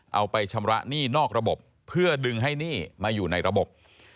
เอาไปชำระหนี้นอกระบบเพื่อดึงให้หนี้มาอยู่ในระบบ